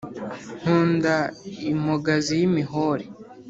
Nkunda impogazi y'imihore,